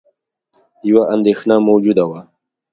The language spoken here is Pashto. یوه اندېښنه موجوده وه